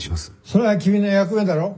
「それは君の役目だろう。